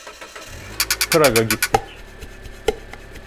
Prag'a gittik.